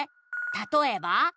「たとえば？」